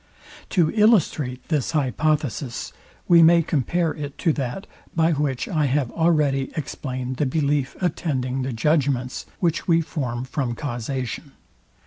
To illustrate this hypothesis we may compare it to that, by which I have already explained the belief attending the judgments, which we form from causation.